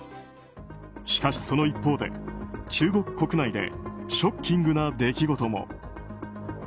しかし、その一方で中国国内でショッキングな出来事も。